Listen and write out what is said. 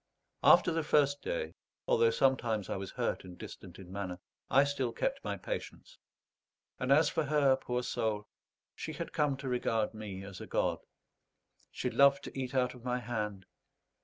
After the first day, although sometimes I was hurt and distant in manner, I still kept my patience; and as for her, poor soul! she had come to regard me as a god. She loved to eat out of my hand.